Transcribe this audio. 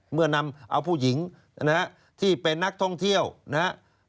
เมื่อนำเอาผู้หญิงนะฮะที่เป็นนักท่องเที่ยวนะครับ